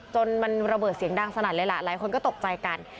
จนมันระเบิดเสียงดังสนั่นเลยล่ะหลายคนก็ตกใจกัน